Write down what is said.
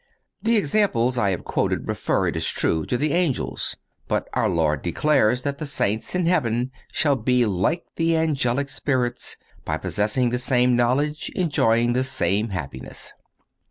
The examples I have quoted refer, it is true, to the angels. But our Lord declares that the saints in heaven shall be like the angelic spirits, by possessing the same knowledge, enjoying the same happiness.